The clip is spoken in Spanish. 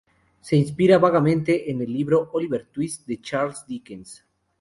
Se inspira vagamente en el libro "Oliver Twist", de Charles Dickens.